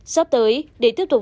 sắp tới để tiếp tục